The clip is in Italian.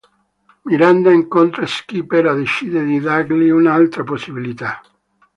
Miranda incontra Skipper e decide di dargli un'altra possibilità.